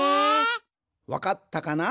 わかったかな？